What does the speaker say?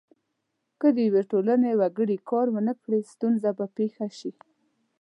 که د یوې ټولنې وګړي کار ونه کړي ستونزه به پیښه شي.